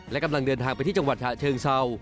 และกำลังเดินทางไปที่จังหวัดฉะเชิงเศร้า